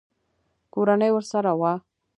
کورنۍ ورسره وه.